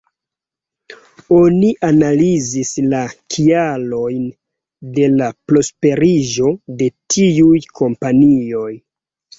Oni analizis la kialojn de la prosperiĝo de tiuj kompanioj.